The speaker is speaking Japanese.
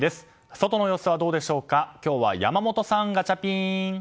外の様子はどうですか今日は山本さん、ガチャピン！